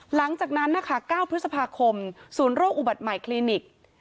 หลังจากนั้นนะคะ๙พฤษภาคมศูนย์โรคอุบัติใหม่คลินิก